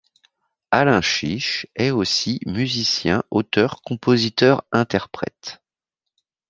Alain Chiche est aussi musicien auteur-compositeur-interprète.